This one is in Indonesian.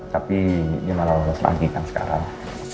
tapi ini malah lo selagi kan sekarang